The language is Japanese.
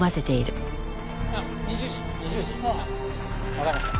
わかりました。